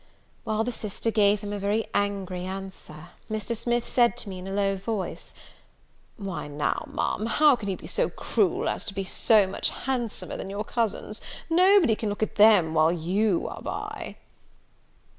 While the sister gave him a very angry answer, Mr. Smith said to me in a low voice, "Why now, Ma'am, how can you be so cruel as to be so much handsomer than your cousins? Nobody can look at them when you are by."